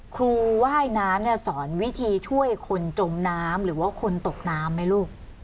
ว่ายน้ำเนี่ยสอนวิธีช่วยคนจมน้ำหรือว่าคนตกน้ำไหมลูก